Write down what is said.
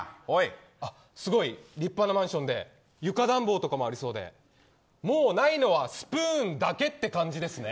すごい立派なマンションで床暖房とかもありそうでもうないのはスプーンだけって感じですね。